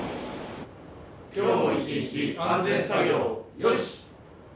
今日も一日安全作業よし！